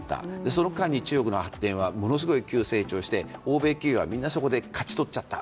その間に中国の経済は急成長して欧米企業がみんなそこで勝ち取っちゃった。